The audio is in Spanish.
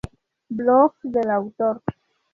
Blog del Autor